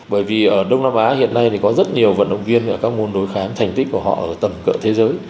bởi vì ở đông nam á hiện nay thì có rất nhiều vận động viên ở các môn đối khám thành tích của họ ở tầm cỡ thế giới